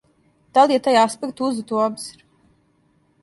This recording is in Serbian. Да ли је тај аспект узет у обзир?